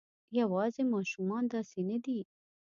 یواځې ماشومان داسې نه دي.